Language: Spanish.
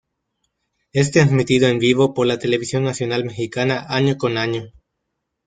Es transmitido en vivo por la televisión nacional mexicana año con año.